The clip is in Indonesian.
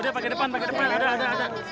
udah pakai depan pakai depan ada ada ada